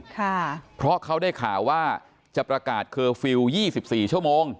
ค่ะเพราะเขาได้ข่าวว่าจะประกาศเคอร์ฟิลล์๒๔ชั่วโมง